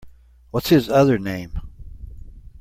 What’s his other name?